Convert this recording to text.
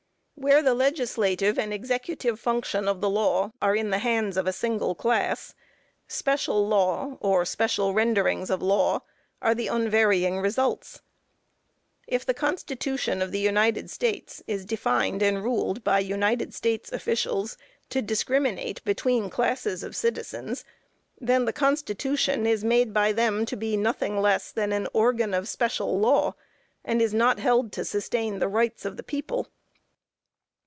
Where the legislative and executive function of the law are in the hands of a single class, special law, or special renderings of law are the unvarying results. If the constitution of the United States is defined and ruled by United States officials to discriminate between classes of citizens, then the constitution is by them made to be nothing less than an organ of special law, and is held not to sustain the rights of the people.